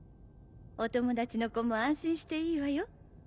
お友達の子も安心していいわよ。